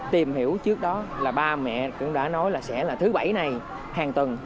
tìm hiểu trước đó là ba mẹ cũng đã nói là sẽ là thứ bảy này hàng tuần